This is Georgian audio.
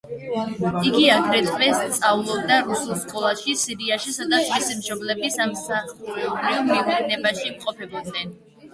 იგი, აგრეთვე, სწავლობდა რუსულ სკოლაში სირიაში, სადაც მისი მშობლები სამსახურეობრივ მივლინებაში იმყოფებოდნენ.